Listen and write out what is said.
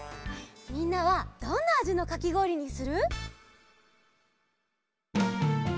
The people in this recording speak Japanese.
みんなはどんなあじのかきごおりにする？